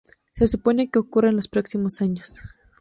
Se supone que ocurra en los próximos años.